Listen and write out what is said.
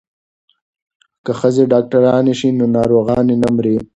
که ښځې ډاکټرانې شي نو ناروغانې نه مري.